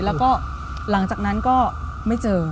แล้วก็หลังจากนั้นก็ไม่เจอ